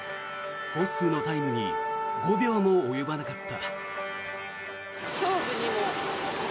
ホッスーのタイムに５秒も及ばなかった。